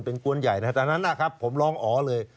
เป็นกวนใหญ่นะครับตอนนั้นนะครับผมร้องอ๋อเลย